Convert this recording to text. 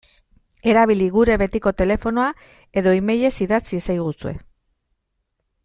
Erabili gure betiko telefonoa edo emailez idatz iezaguzue.